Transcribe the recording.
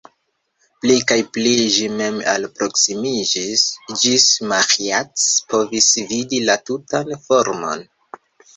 Pli kaj pli ĝi mem alproksimiĝis, ĝis Maĥiac povis vidi la tutan formon.